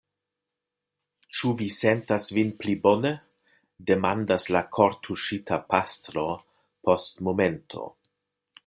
Ĉu vi sentas vin pli bone? demandas la kortuŝita pastro post momento.